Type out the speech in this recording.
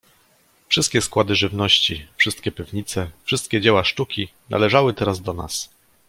"Wszystkie składy żywności, wszystkie piwnice, wszystkie dzieła sztuki należały teraz do nas."